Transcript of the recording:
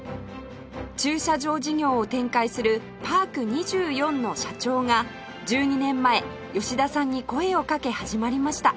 駐車場事業を展開するパーク２４の社長が１２年前吉田さんに声をかけ始まりました